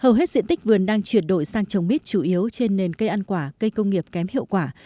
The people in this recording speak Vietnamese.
hầu hết diện tích vườn đang chuyển đổi sang trồng mít chủ yếu trên nền cây ăn quả cây công nghiệp kém hiệu quả